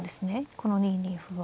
この２二歩は。